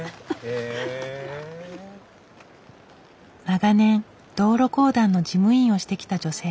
長年道路公団の事務員をしてきた女性。